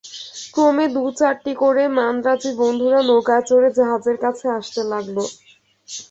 ক্রমে দু-চারটি করে মান্দ্রাজী বন্ধুরা নৌকায় চড়ে জাহাজের কাছে আসতে লাগল।